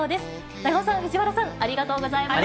長尾さん、藤原さん、ありがとうございました。